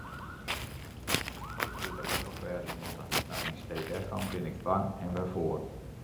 Ik soe gelokkich wêze moatte, mar yn stee dêrfan bin ik bang, en wêrfoar?